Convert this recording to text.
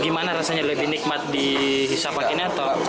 gimana rasanya lebih nikmat di hisafat ini atau